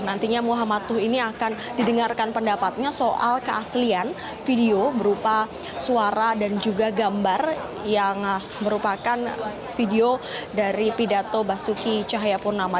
nantinya muhammadih ini akan didengarkan pendapatnya soal keaslian video berupa suara dan juga gambar yang merupakan video dari pidato basuki cahayapurnama